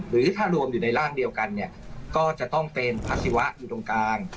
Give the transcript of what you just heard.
หรือถ้ารวมอยู่ในร่างเดียวกันเนี่ยก็จะต้องเป็นพระศิวะอยู่ตรงกลาง